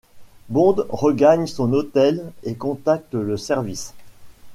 Bond regagne son hôtel et contact le Service.